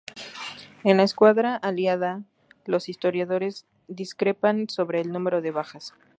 En la escuadra aliada los historiadores discrepan sobre el número de bajas.